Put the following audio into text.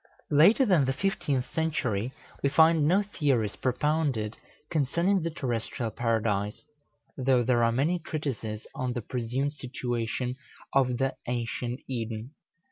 Later than the fifteenth century, we find no theories propounded concerning the terrestrial Paradise, though there are many treatises on the presumed situation of the ancient Eden.